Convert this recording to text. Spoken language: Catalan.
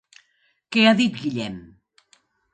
Què ha dit Guillem?